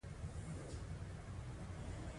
هر څه به د فیوډالانو په ځمکو کې تولیدیدل.